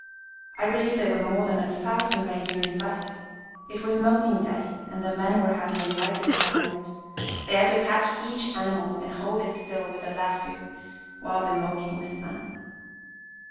I believe there were more than a thousand reindeer in sight. It was milking day and the men were having a lively time of it. They had to catch each animal and hold it still with a lasso while the milking was done."